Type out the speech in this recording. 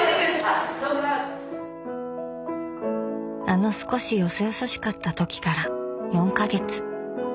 あの少しよそよそしかった時から４か月。